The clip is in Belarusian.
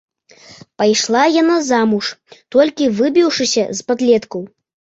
Пайшла яна замуж толькі выбіўшыся з падлеткаў.